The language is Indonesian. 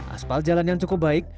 aspal jalan yang cukup baik